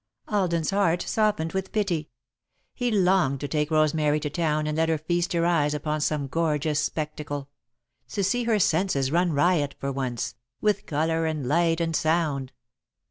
Alden's heart softened with pity. He longed to take Rosemary to town and let her feast her eyes upon some gorgeous spectacle; to see her senses run riot, for once, with colour and light and sound.